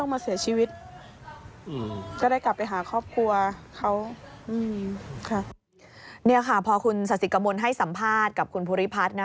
นี่ค่ะพอคุณศาสิกมลให้สัมภาษณ์กับคุณภูริพัฒน์นะ